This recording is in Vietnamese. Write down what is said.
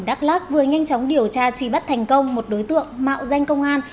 đắk lắc vừa nhanh chóng điều tra truy bắt thành công một đối tượng mạo danh công an